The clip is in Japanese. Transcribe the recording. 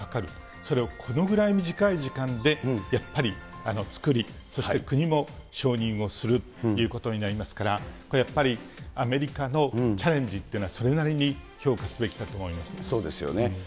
それをこのぐらい短い時間でやっぱり作り、そして国も承認をするということになりますから、これやっぱりアメリカのチャレンジというのはそれなりに評価すべそうですよね。